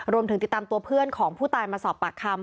รวมถึงติดตามตัวเพื่อนของผู้ตายมาสอบปากคำ